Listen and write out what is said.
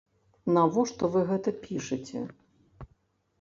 Навошта вы гэта пішаце?